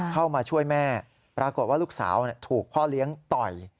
เข้ามาช่วยแม่ปรากฏว่าลูกสาวถูกพ่อเลี้ยงต่อย